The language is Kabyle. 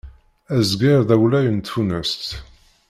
Azger d awlay n tfunast.